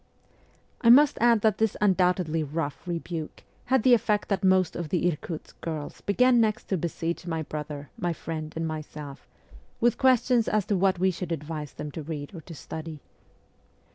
I must add that this undoubtedly rough rebuke had the effect that most of the Irkutsk girls began next to besiege my brother, my friend, and myself with questions as to what we should advise them to read or to study.